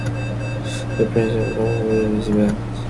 The pairing took place at this event.